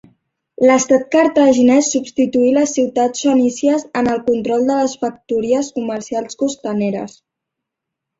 L'estat cartaginés substituí les ciutats fenícies en el control de les factories comercials costaneres.